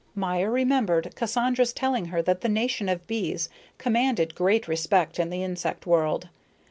Maya remembered Cassandra's telling her that the nation of bees commanded great respect in the insect world.